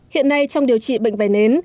hiện nay trong điều trị bệnh vẩy nến